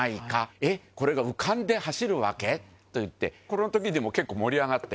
えっこれが浮かんで走るわけ？」といって海了Ⅳ砲結構盛り上がって。